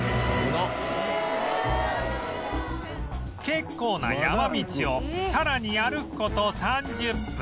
結構な山道をさらに歩く事３０分